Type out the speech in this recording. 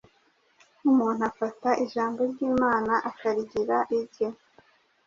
umuntu afata ijambo ry’Imana akarigira irye.